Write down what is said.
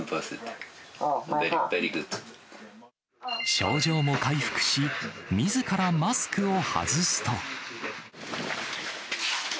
症状も回復し、みずからマスクを外すと。